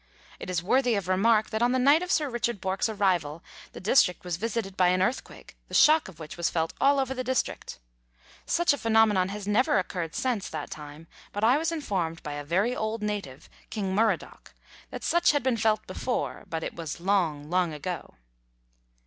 It is worthy of remark that on the night of Sir Richard Bourke's arrival the district was visited by an earthquake, the shock of which \vas felt all over the district. Such a phenomenon has never occurred since that time, but I was informed by a very old native, King Murradock, that such had been felt before, but it was " long, long ago."